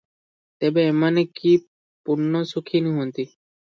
ତେବେ ଏମାନେ କି ପୂର୍ଣ୍ଣ ସୁଖୀ ନୁହନ୍ତି?